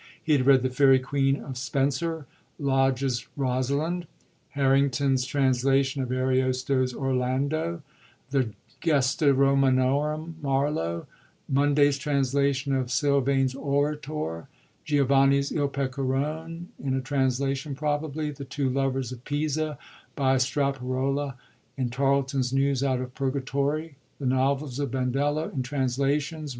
He had read the Fcierie Queene of Spenser, Lodge's Boacu lynde, Harrington's translation of Ariosto's Orlando, the Gesta Eomanorum, Marlowe, Munday's translation of Silvayn's Orator, Giovanni's H Pecorone (in a transla tion probably), "The Two Lovers of Pisa" by Straparola in Tarleton's Newea oiU of Purgatorie, the novels of Ban dello in translations.